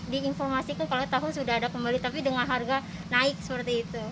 diinformasikan kalau tahu sudah ada kembali tapi dengan harga naik seperti itu